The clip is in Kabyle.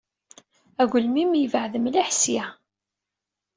Agelmim yebɛed mliḥ ssya.